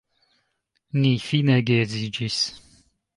Ni fine geedziĝis.